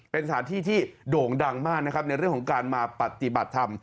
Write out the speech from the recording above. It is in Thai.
เป็นสถานที่ที่โด่งดังมากนะครับในเรื่องของการมาปฏิบัติธรรม